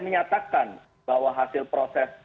menyatakan bahwa hasil proses